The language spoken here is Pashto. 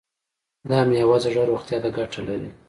دا میوه د زړه روغتیا ته ګټه لري.